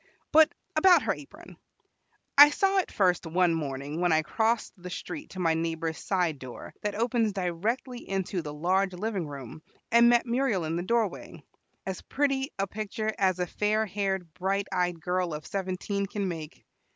But about her apron. I saw it first one morning when I crossed the street to my neighbor's side door that opens directly into the large living room, and met Muriel in the doorway, as pretty a picture as a fair haired, bright eyed girl of seventeen can make.